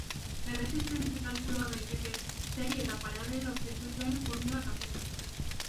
Erresistentzia kalkula daiteke serie eta paralelo zirkuituen formulak aplikatuz.